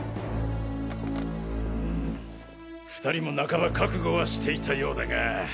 ２人も半ば覚悟はしていたようだが。